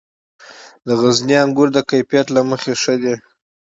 د غزني انګور د کیفیت له مخې ښه دي.